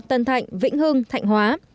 tân thạnh vĩnh hưng thạnh hóa